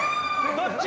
どっち？